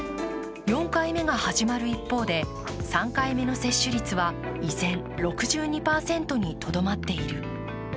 ４回目が始まる一方で３回目の接種率は依然６２％にとどまっている。